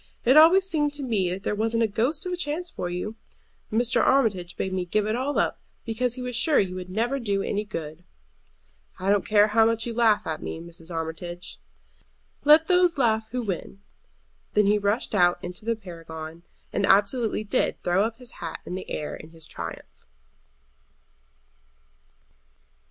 It always seemed to me that there wasn't a ghost of a chance for you. Mr. Armitage bade me give it all up, because he was sure you would never do any good." "I don't care how much you laugh at me, Mrs. Armitage." "Let those laugh who win." Then he rushed out into the Paragon, and absolutely did throw his hat up in the air in his triumph.